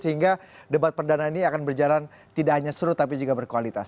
sehingga debat perdana ini akan berjalan tidak hanya seru tapi juga berkualitas